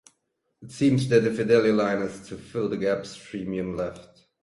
It seems that the Fidelio line is to fill the gap streamium left.